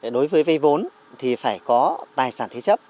đối với vây vốn thì phải có tài sản thế chấp